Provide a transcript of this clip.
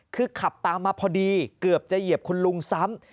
คือขับตามมาพอดีเกือบจะเหยียบคุณลุงซ้ำ